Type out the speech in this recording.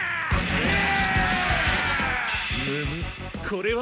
うわ！